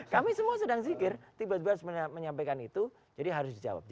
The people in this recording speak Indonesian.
kami semua sedang zikir tiba tiba harus menyampaikan itu jadi harus dijawab